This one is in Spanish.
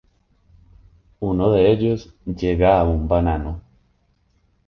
Uno de ellos llega a un banano.